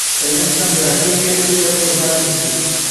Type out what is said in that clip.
Se alimentan de bacterias y pueden formar quistes.